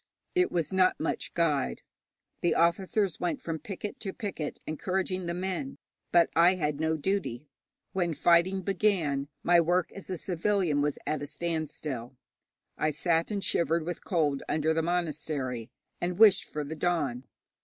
It was not much guide. The officers went from picket to picket encouraging the men, but I had no duty; when fighting began my work as a civilian was at a standstill. I sat and shivered with cold under the monastery, and wished for the dawn.